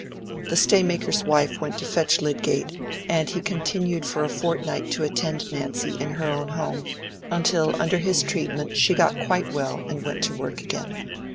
The staymaker's wife went to fetch Lydgate, and he continued for a fortnight to attend Nancy in her own home, until under his treatment she got quite well and went to work again.